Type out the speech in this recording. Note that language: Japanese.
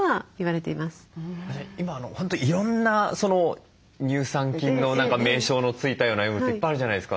今本当いろんな乳酸菌の名称の付いたようなヨーグルトいっぱいあるじゃないですか。